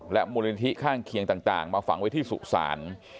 มูลนิธิข้างเคียงต่างมาฝังไว้ที่สุสาน